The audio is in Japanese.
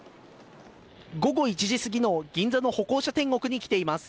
午後１時すぎの銀座の歩行者天国に来ています。